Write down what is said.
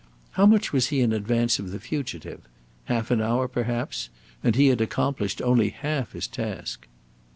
How much was he in advance of the fugitive? Half an hour, perhaps! And he had accomplished only half his task.